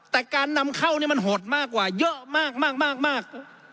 แต่การนำเข้านี่มันหดมากกว่าเยอะมากมาก